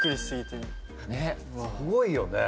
ねっすごいよね。